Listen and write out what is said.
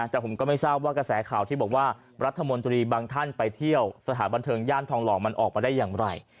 แต่ผมก็ไม่ทราบว่ากระแสข่าวที่บอกว่ารัฐมนตรีบางท่านไปเที่ยวสถานบันเทิงย่านทองหล่อมันออกมาได้อย่างไร